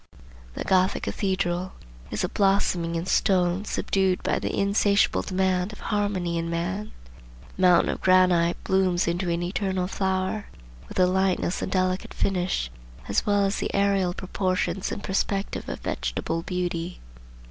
The Gothic cathedral is a blossoming in stone subdued by the insatiable demand of harmony in man. The mountain of granite blooms into an eternal flower, with the lightness and delicate finish as well as the aerial proportions and perspective of vegetable beauty.